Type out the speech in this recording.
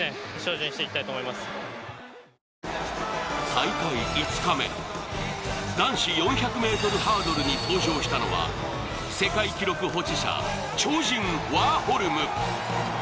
大会５日目男子４００ｍハードルに登場したのは世界記録保持者、超人ワーホルム。